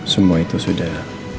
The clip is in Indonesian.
semua itu sudah